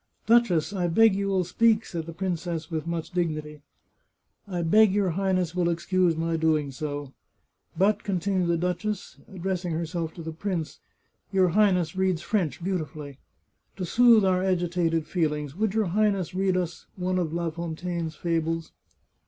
" Duchess, I beg you will speak," said the princess with much dignity. " I beg your Highness will excuse my doing so. But," continued the duchess, addressing herself to the prince, " your Highness reads French beautifully. To soothe our agitated feelings, would your Highness read us one of La Fontaine's fables